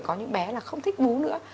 có những bé là không thích bú nữa